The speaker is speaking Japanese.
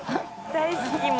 大好きもう。